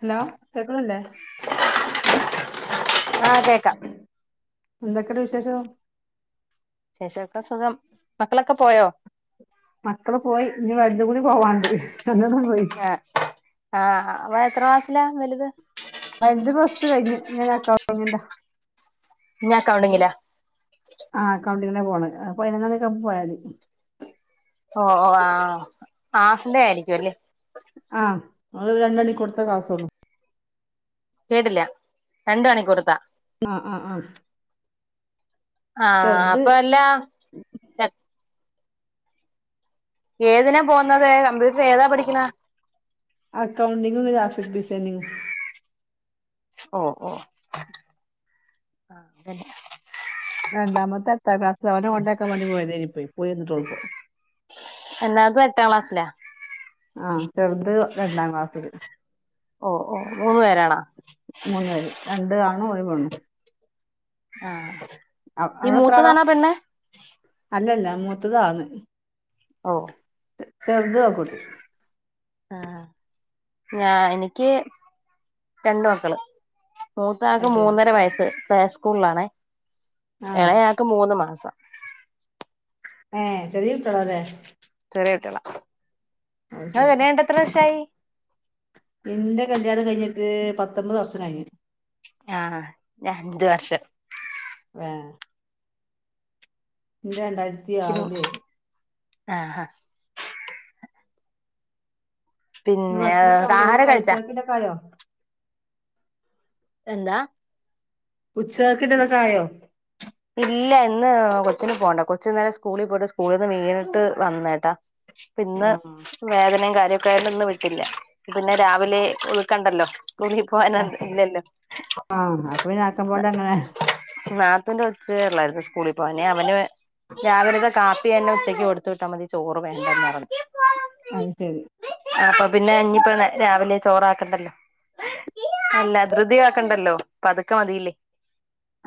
Hello കേക്ക്ണില്ലേ ആ ക്കേക്കാം ന്തൊക്കെണ്ട് വിശേഷം വിശേ [unintelligible] മക്കളൊക്കെ പോയോ മക്കള് പോയി ഇനി വൽതും കൂടി പോവാണ്ട് രണ്ടണ്ണം പോയി ആ ആ വൻ എത്രാം ക്ലാസ്സിലാ വലുത് വൽത് പ്ലസ്ടു കഴിഞ്ഞ് ഇനി ഒരഅകൗണ്ടിങ്ങിന്റതാ [unintelligible] അകൗണ്ടിങ്ങിനാ പോണത് പതിനൊന്ന് മണിയൊക്കാവുമ്പോ പോയാമതി ഓ ഓ ആ ആസ്മ ആയിരിക്കും അല്ലെ [unintelligible] കേട്ടില്ല രണ്ട് തവണ ഒക്കെ കൊടുക്കാം ആ ആ അഹ് ആ അപ്പ എല്ലാ ഏതിനാ പോന്നത് കമ്പ്യൂട്ടർ ഏതാ പഠിക്കണ അക്കൗണ്ടിങ്ങും ഗ്രാഫിക് ഡിസൈനിങ് ഓ ഓ ആ അതന്ന രണ്ടാമത്തെ അത്ത ക്ലാസ് അവന കൊണ്ടാക്കാൻ വേണ്ടി പോയതാനി പോയി പോയിന്നിട്ടോളിപ്പോ എന്നാത് എട്ടാം ക്ലാസ്സിലാ ആ ചെറുത് രണ്ടാം ക്ലാസ്സില് ഓ ഓ മൂന്നു പേരാണാ മൂന്ന് പേര് രണ്ട് ആണും ഒരു പെണ്ണും ആ അ- ഈ അവിടെ എത്ര മൂത്തതാന്ന പെണ്ണ് മൂത്തതാണ് ഓ ചെറുത ആക്കൂട്ടി ആ ഞാ എനിക്ക് രണ്ട മക്കള് മൂത്താക്ക് അത് ശരി മൂന്നര വയസു സ്കൂളിലാണേ ആ ഇളയാക്ക് മൂന്ന് മാസം ഏയ് ചെറിയ കുട്ടികള അല്ലെ ചെറിയ കുട്ടികളാ അത് ശരി [unintelligible] എന്റെ കല്യാണം കഴിഞ്ഞിട്ട് പത്തൊമ്പത് വർഷം കഴിഞ്ഞിട്ട് ആ ഞ അഞ്ച് വർഷം [unintelligible] എന്റെ രണ്ടായിരത്തി ആറില് ആ ഹ പിന്നെ ഭക്ഷണം കായോടെ ആഹാരം കഴിച്ചാ കഴിച്ച പിന്നെ കായോ എന്താ ഉച്ചക്കിട്ടന്നൊക്ക ആയോ ഇല്ല ഇന്ന് കൊച്ചിന് പോകണ്ട കൊച്ചി നേരം സ്കൂളിൽ പോയിട്ട് സ്കൂളിൽ നിന്ന് വീണിട്ട് വന്നേട്ടാ പ്പ ന്ന് ആ വേദനയും കാര്യ ക്ക യോണ്ട് ഇന്ന് വിട്ടില്ല പിന്നെ രാവിലെ ഉൾക്കണ്ടല്ലോ സ്ൂള പോകാന ആ ഇല്ലല്ലോ ആ, അപ്പൊ പിന്നെ ആക്കം പോലെ അങ്ങനെ പുപ്പന്റെ ഉച്ച കേറള്ളായിരുന്നു സ്കൂളിൽ പോവനെ അവന് രാവിലത്തെ കാപ്പി തന്നെ ഉച്ചക്ക് കൊടുത്ത വിട്ടാൽ മതി ചോറ് വേണ്ടെന്ന് പറഞ്ഞു അത് ശരി അപ്പൊ പിന്നെ ഇനിപ്പോ രാവിലെ ചോറാക്കണ്ടല്ലോ അല്ല ധൃതി ആക്കണ്ടല്ലോ പതുക്കെ മതിയില്ലേ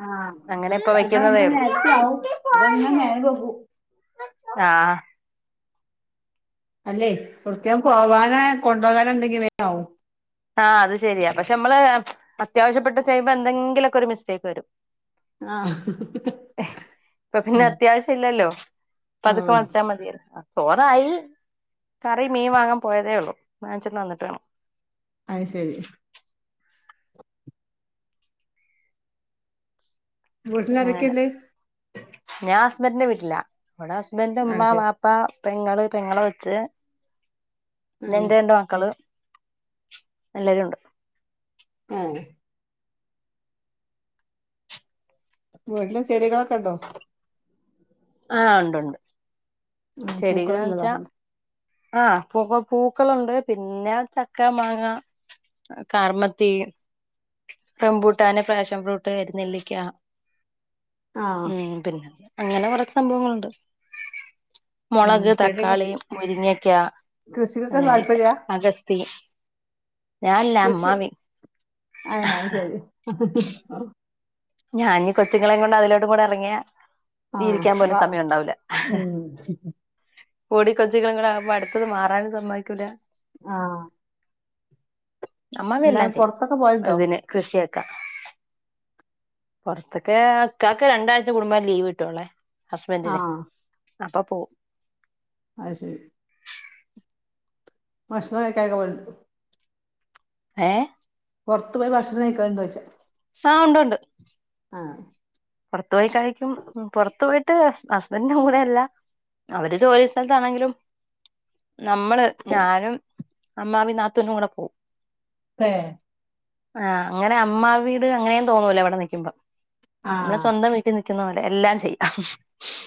ആ അങ്ങനെ ഇപ്പ മറ്റേതാ വെക്കുന്നതേ നമ്മുടെ ഉള്ളൂ നേരത്തെ ആവും ഇതന്നെ മേല് പോകു ആ അല്ലെ കൃത്തിയാം പോവാന കൊണ്ടുപോകാന ഉണ്ടെങ്കി വോവോ ആ അത് ശരിയാ പക്ഷെ നമ്മള് അത്യാവ്യപ്പെട്ട ച ചെയുമോൾ എന്തെങ്കിലൊക്കെ ഒരു മിസ്റ്റേക്ക് വരും ആ ഇപ്പൊ പിന്നെ ഉം. അത്യാവശ്യം ഇല്ലല്ലോ ആ പതുക്കം വച്ചാ മതി സോനായി കറി മീൻ വാങ്ങാൻ പോയതേ ഉള്ളു മാങ്ങിച്ചിട്ട് വന്നിട്ട് വേണം അ ശരി വിട്ടിലാരക്കെല്ലേ സ്മരെ വീട്ടില്ല ഇവിടെ ഹസ്ബൻഡ് മ്മ ശരി പാപ്പാ പെങ്ങള് പെങ്ങള് വെച്ച് ആ പിന്നെ എന്റെ ണ്ട് മക്കള് എല്ലരും ഉണ്ട് ആ വിട്ടിലെ ചെടിക കണ്ടോ ആ ഉണ്ട്ണ്ട് ഉ പൂക്കൾ [unintelligible] ആഹ പൂക്ക പൂക്കളുണ്ട് പിന്നെ ചക്ക മാങ്ങ കാറമത്തി റംബൂട്ടാനെ ഫാശം ഫ്രൂട്ട് കരുന്നില്ലിക്ക ആഹ് ഉം പിന്നെ അങ്ങനെ കൊറച്ച് സംഭവങ്ങുണ്ട് ഉം മുളക് ചെടിക തക്കാളി മുരിങ്ങിയ ക കൃഷിക്കൊക്കെ അങ്ങനെയക്ക താല്പര്യ അഗസ്തിയും ഞാനല്ല അമ്മാവ അ ശരി ഞാന കൊച്ചുങ്ങളെയ കൊണ്ട് അതിലോടെ കൂടെ ഇറങ്ങിയാ ആ വ ഉം കോടിക്ക കൊച്ചികളുംൂുമ്പ അടുത്തത് മാറാനും സമ്മയികൂല ആ നമ്മൾ അതെല്ലാം ചെയ്യും പൊറത്തൊക്കെ പോവലുണ്ടോ അത് തന്നെ കൃഷിയൊക്കെ പൊറത്തൊക്കെ ഇക്കാക്ക് രണ്ടാഴ്ച കൂടുമ്പോഴേ ലീവ് കിട്ടുവുള്ളേ ഹസ്ബൻഡിന് ആഹ് അപ്പൊ പോ അത് ശരി ഭഷണം കഴിക്കാനൊക്കെ പോലണ്ട് ഏ പുറത്തു പോയി ഭക്ഷണം കഴിക്കാന്ന് ചോദിച്ച ആ ഉണ്ട് ഉണ്ട് ആ പുറത്തു പോയി കഴിക്കും പൊറത്തു പോയിട്ട് ഹുസ്ബൻഡിന്റെ കൂടെയല്ല അവര് ജോലി സ്ഥലത്താണെങ്കിലും നമ്മള് ഞാനും അമ്മാവി നാത്തൂന്നും കൂടെ പോവും പേ ആ അങ്ങനെ അമ്മാ വീട് അങ്ങനയേ തോന്നൂല ഇവിട നിക്കുമ്പോ നമ്മടെ ആഹ് സ്വന്തം വീട്ടി നിൽ ക്കുന്ന പോലെ എല്ലാം ചെയ്യാം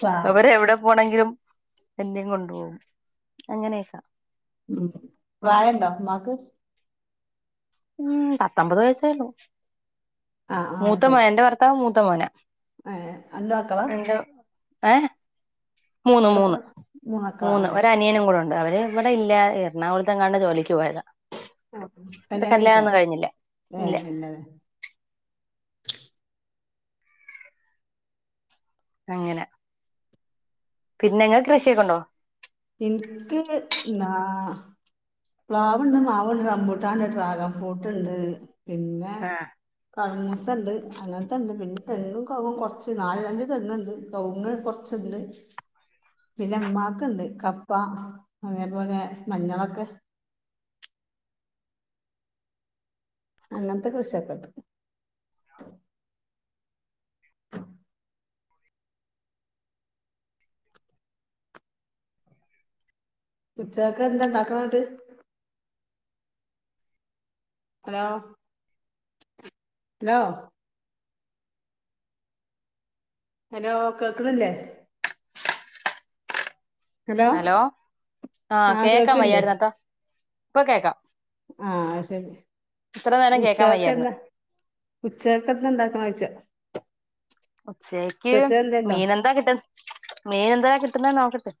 പ്രാ അവരെവിടെ പോണമെങ്കിലും എന്നേം കൊണ്ടു പോകും അങ്ങനെയൊക്കാ ഉം പ്രായുണ്ടാ ഉമ്മാക്ക് ഉം പത്തമ്പത് വയസ് വരും മൂത്ത മോൻ എന്റെ ഭർത്താവ് മൂ ത്തമോനാ ഏ എന്താ മക്കളെ ഏ മൂന്ന് മൂന്ന് മക്കളാ മൂന്ന് ആഹ് ഒരനിയനും കൂടുയുണ്ട് അവര് ഇവിടെ ഇല്ല എറണാകുളത്തെങ്ങാണ്ട് ജോലിക്ക് പോയതാ ആ അവരുടെ കല്യാണം കഴിച്ചോ കല്യാണൊന്നും കഴിഞ്ഞില്ല ഇല്ല ഏ ഇല്ലാ അങ്ങനെ പിന്നെ നിങ്ങക്ക് കൃഷിയൊക്കെ ഉണ്ടോ എനിക്ക് നാ പ്ലാവുണ്ട്, മാവുണ്ട്, അമ്പൂട്ടാണ്ട് ഡ്രാഗൺഫ്രൂട്ടിണ്ട് പിന്നെ കൻസ് ത്തെണ്ട് അങ്ങത്തണ്ട് പിന്നെ തെങ്ങും, കൗങ്ങും കൊറച്ച് നാല് അഞ്ച് തെങ്ങുണ്ട് കവുങ്ങ് കൊറച്ചുണ്ട് പിന്നെ അമ്മാക്കുണ്ട് കപ്പ അതേപോലെ മഞ്ഞളൊക്കെ അങ്ങനത്തെ കൃഷിയെക്കെയുണ്ട് ഉച്ചക്കെന്താ ഉണ്ടാക്കണത് അന്നിട്ട്‌ ഹലോ ഹലോ ഹലോ കേക്കണില്ലേ ഹലോ ആ കേക്കാൻ കേൾക്കില്ലേ വയ്യായിരുന്നട്ടോ ഇപ്പൊ കേക്കാം ആ ശരി ഇത്ര നേരം കേക്കാൻ വയ്യായിരുന്നു ഉച്ചക്കെന്താ ഉച്ചക്കതെന്താക്കണാ ചോയ്ച്ചേ ഉച്ചക്ക് എന്തേണ്ടോ മീനെന്താ കിട്ട മീൻ എന്താ കിട്ടുന്നേന്ന്നോക്കട്ട്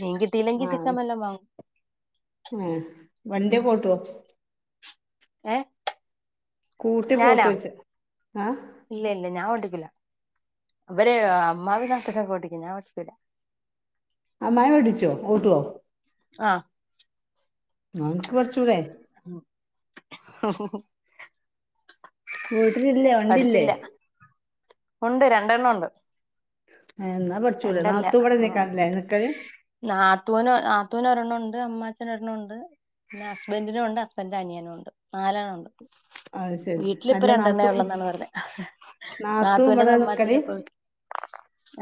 മീൻ കിട്ടിയില്ലെങ്കിൽ ചിക്കൻ വല്ലോം വാങ്ങും ആ വണ്ടിയെ ഓട്ടുവോ ഏ കൂട്ടിക്കൂട്ടി ഞാനാ വെച്ച് ആ ക്കില്ല അവര് അമ്മാവി നാത്തൂനൊക്കെ ഓട്ടിക്കും ഞാൻ ഓട്ടിക്കൂല അമ്മായി പഠിച്ചോ ഓട്ടുവോ ആ നമക്ക് പടിച്ചൂടെ ഓഹോഹോ [unintelligible] ഇല്ലേ ഉണ്ടില്ലേ ഉണ്ട് രണ്ടെണ്ണം ഉണ്ട് ഏഹ് എന്നാ പഠിച്ചൂടെ രണ്ടല്ലാ നാത്തൂ മൂന്ന് ഇവിടെന്നെക്കാരല്ലേ നിക്കല് നാത്തൂന് ഒരെണ്ണം ഉണ്ട് അമ്മാച്ചനേട്ടനും ഉണ്ട് പിന്നെ ഹസ്ബൻന്റിനും ഉണ്ട് ഹസ്ബൻന്റിന്റെ അനിയനും ഉണ്ട് നാലാളുണ്ട് അത് ശരി അല്ല നാത്തു ഉള്ളെന്നാണ് നാത്തൂന്റെത് അമ്മാച്ചന് നിക്കല് ഇപ്പൊ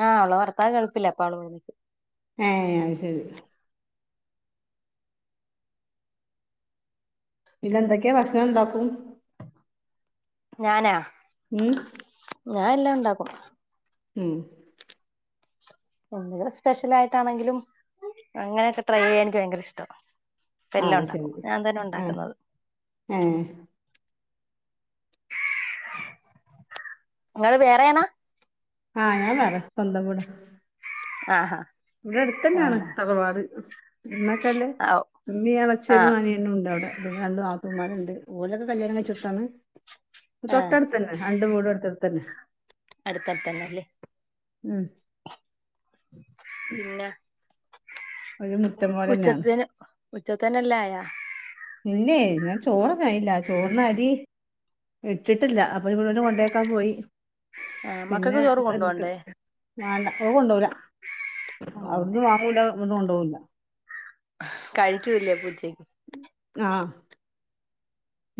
ആഹ് അള ഭർത്താവ് ഗൾഫിലാ അപ്പൊ അവള് [unintelligible] ഏഹ് അത് ശരി പിന്നെ എന്തൊക്കെ ഭക്ഷണം ഉണ്ടാക്കും ഞാനാ ഉം ഞാൻ എല്ലാം ഉണ്ടാക്കും ഉം എന്തെങ്കിലും സ്പെഷ്യൽ ആയിട്ടാണെങ്കിലും അങ്ങനെയൊക്കെ ട്രൈ ചെയ്യാൻ എനിക്ക് ഭയങ്കര ഇഷ്ടാ ആഹ് ഇപ്പല്ലാം അത് ശരി ഉണ്ടാക്കും ഞാൻ തന്നെ ആഹ് ഉണ്ടാക്കുന്നത് ഏഹ് നിങ്ങള് വേറെയണാ ആഹ് ഞാൻ വേറെ സ്വന്തം വീടാ ആഹാ ഇവിടെ അടുത്ത് തന്നെയാണ് ആഹ് തറവാട് [unintelligible] ല്ലേ ഓ ഉമ്മീ എളച്ചനും ആഹ് അനിയനൂണ്ട് അവിടെ പിന്നെ രണ്ട് നാത്തൂ ഉമ്മ അവ്ടെണ്ട് ഓലൊക്കെ കല്യാണം കഴിച്ചൊട്ത്താണ് ആഹ് തൊട്ടടുത്തെന്നെ അണ്ട് വീടും അടുത്തട്ത്ത് തന്നെ അടുത്തടുത്തന്നെല്ലേ ഉം പിന്ന ഒരു മുറ്റം പോലെന്നെയാണ് ഉച്ചത്തിന് ഉച്ചത്തനല്ല ആയാ ഇന്നെ ഞാൻ ചോറ് കയില്ല ചോറിന്ന അരി ഇട്ടിട്ടില്ല അപ്പ ഇവിടെ കൊണ്ടേക്കാൻ പോയി ആഹ് മക്കൾക്ക് പിന്നെ ചോറ് കൊണ്ടോണ്ടേ വാണ്ട ഓൻ കൊണ്ടൂലാ ആ ഓ അവിടന്നും വാങ്ങൂല ഇവിടന്ന് കൊണ്ട് പോവൂല കഴിക്കൂല്ല പ്പ ഉച്ചയ്ക്ക് ആഹ്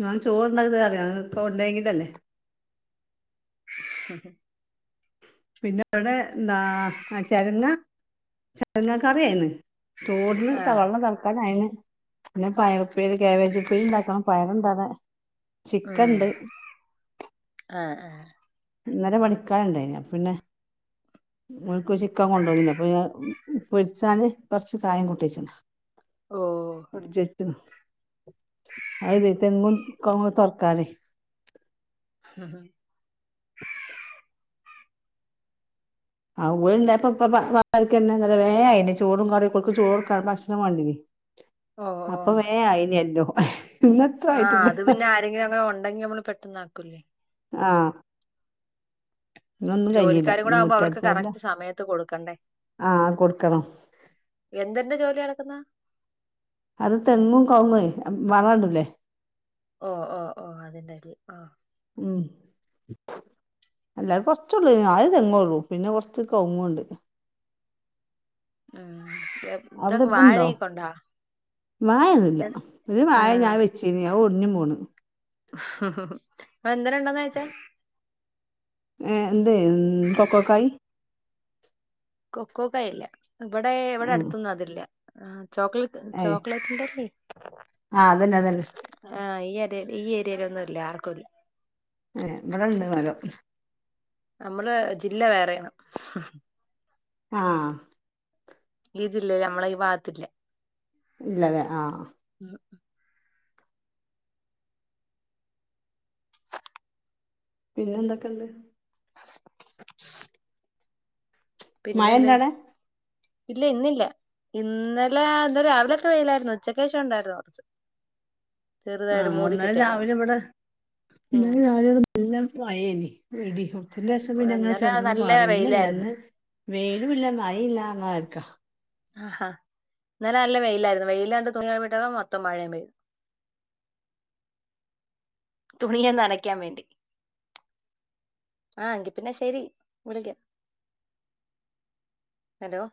ഞാൻ ചോറുണ്ടാക്കി തരാന്ന് പറയും ഇപ്പ ഉണ്ടെങ്കിലല്ലേ [inaudible] പിന്നെ അവിടെ എന്താ ചരങ്ങ ചരങ്ങ കറിയായിന്ന് ചോറിന് ആഹ് തവള തൽക്കാന് ആയിന് പിന്നെ പയറുപ്പേരി കവേജ് ഉപ്പേരി ഇണ്ടാക്കണം പയർ [unintelligible] ഉം ആഹ ആഹ ഇന്നലെ പണിക്കർണ്ടായിന് പിന്നെ ഓൽക്ക് ചിക്കാൻ കൊണ്ട് വന്ന് അപ്പൊ പൊരിച്ചാല് കൊറച്ച് കായം കൂട്ടിച്ച് ഓ ഫ്രിഡ്ജ് അത് [unintelligible] ഹഹ ഹ [unintelligible] [unintelligible] വേമായിെ ചോറും കറി കൊക്ക് ചോറും ഭക്ഷണം വേണ്ടിന് അപ്പൊ വേആയി യെല്ലോ ആഹ അത് പിന്നെ ആരെങ്കിലും അങ്ങനെ ഉണ്ടെങ്കി നമ്മള് പെട്ടന്ന് ആക്കൂല്ലേ ആ ഇന്നൊന്നും കഴിഞ്ഞില്ല ജോലിക്കാരും കൂടെ ഇന്ന് ആകുമ്പോ അവർക്ക് മുറ്റടിച്ചാല്ല കറക്റ്റ് സമയത്ത് കൊടുക്കണ്ടേ ആ കൊടുക്കണം എന്തന്റെ ജോലി നടക്കുന്ന അത് തെങ്ങും കവുങ്ങുവേ വളണ്ടല്ലേ ഓ ഓ ഓ അതിന്റെ ആഹ ഉം അല്ല കൊറച്ചള്ളൂ ആയ്തെങ്ങള്ളൂ പിന്നെ കൊറച്ച് കവുങ്ങ് ണ്ട് ഉം ഏ, ഇതൊക്കെ അവിടെതുണ്ടോ വാഴയൊക്കെ ഉണ്ടോ വായന്നുല്ല എൻ- ഒരു ആ വായ ഞാൻ വെച്ചീന് അത് ഒടിഞ്ഞ് പേ പോയി ഹ ഹ ഹ അ എന്തര് ഉണ്ടാെന്ന് ചോയിച്ചാ ഏ എന്ത കൊക്കോക്കായ് കൊക്കോക്കായില്ല ഇവിടെ ഇവിടെ ഉം അടുത്തൊന്നും അതില്ല ആഹ ചോക്ലേറ്റ് ഏ ചോക്ലേറ്റ് ആ അതന്നെ അതന്നെ [unintelligible] ആ ഈ ഏരിയയിലൊന്നും ഇല്ല ആർക്കുംല്ല ഏ ഇവിടെ ഇണ്ട് മരം നമ്മള് ജില്ല വേറെയാണ് ആ ഈ ജില്ലൽ നമ്മള ഈ ഭാഗത്തില്ലേ ഇല്ലതെ ആഹ് ഉ പിന്നെ എന്തൊക്കെണ്ട് [inaudible] മഴ പിന്നെന്ത ഉണ്ടോ അവിടെ ഇല്ല ഇന്നില്ല ഇന്നലെ ഇന്നല രാവിലെൊക്കെ വെയിലായിരുന്നു ഉച്ചക്കശം ഉണ്ടായിരുന്നു കുറച്ച് ചെറുതായിട്ട് ആഹ മൂടി ഒന്ന കെട്ടിയേക്കാ രാവിലെ ഇവിടെന്ന ഉം രാവിലെ ഇവിടെല്ലയേനി വടിഹ അതിന്റെ എഷം ഇവിടെ പിന്നങ്ങ ഇന്നലെ ചെറുങ്ങനെ നല്ല വെയിലായിരുന്നു പറയുന്നില്ലന്ന് വേലും ഇില്ല മഴയില്ല നല്ലക്ക ആഹാ ഇന്നലെ നല്ല വെയിലായിരുന്നു വെയിലാണ്ട് തുണിഴട്ടക്ക മൊത്തം മഴയും പെയതു തുണിയന്ന് അനക്കാൻ വേണ്ടി ആ എങ്കി പിന്നെ ശരി വിളിക്ക ഹലോ